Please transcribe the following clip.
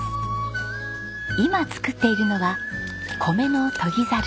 今作っているのは米の研ぎざる。